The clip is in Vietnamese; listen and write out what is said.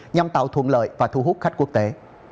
nhằm tạo thuận lợi và thu hút khách quốc tế